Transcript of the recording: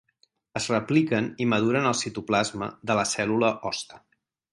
Es repliquen i maduren al citoplasma de la cèl·lula hoste.